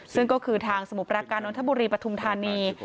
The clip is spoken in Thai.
ซึ่งก็คือทางสมุทรปราการนทบุรีปฐุมธานี